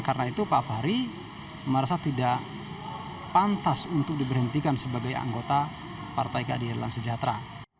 dan karena itu pak fahri merasa tidak pantas untuk diberhentikan sebagai anggota partai keadilan sejahtera